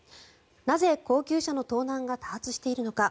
なぜ高級車の盗難が多発しているのか。